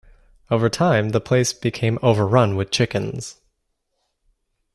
Over time the place became overrun with chickens.